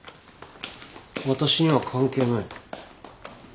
私には関係ない。